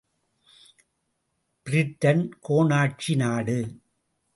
Britain கோனாட்சி நாடு.